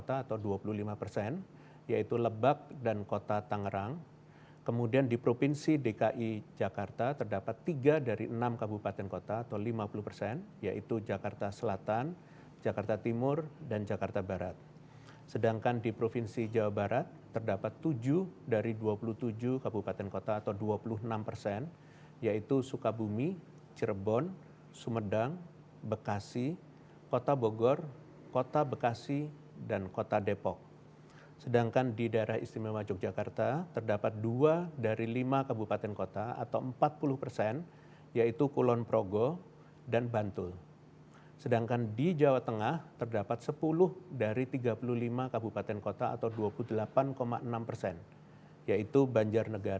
ay empat puluh dua di malaysia dan singapura